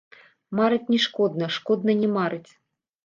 Марыць не шкодна, шкодна не марыць.